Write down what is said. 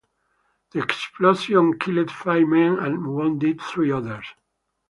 The explosion killed five men and wounded three others.